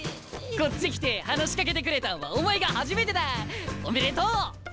こっち来て話しかけてくれたんはお前が初めてだ！おめでとう！